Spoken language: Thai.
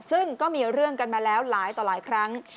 ซึ่งก็มีเรื่องกันมาแล้วหลายต่อหลายครั้ง